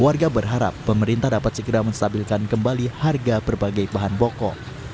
warga berharap pemerintah dapat segera menstabilkan kembali harga berbagai bahan pokok